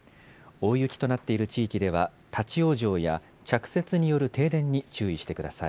大雪となっている地域では立往生や着雪による停電に注意してください。